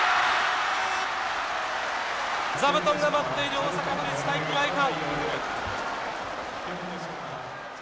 座布団が舞っている大阪府立体育会館。